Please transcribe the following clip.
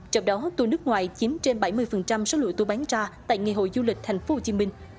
trong đó tour nước ngoài chiếm trên bảy mươi số lượng tour bán ra tại ngày hội du lịch tp hcm